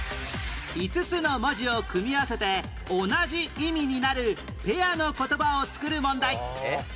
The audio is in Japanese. ５つの文字を組み合わせて同じ意味になるペアの言葉を作る問題